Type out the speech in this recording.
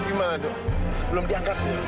gimana do belum diangkat dulu